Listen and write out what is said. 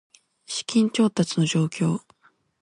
資金調達の状況